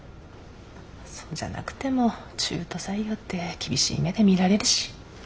そうじゃなくても中途採用って厳しい目で見られるし。